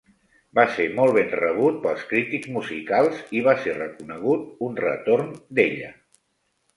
Va ser molt ben rebut pels crítics musicals i va ser reconegut un retorn d'ella.